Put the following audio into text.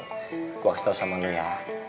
gue kasih tau sama nghila